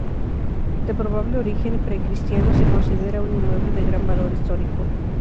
De probable origen precristiano, se considera un inmueble de gran valor histórico.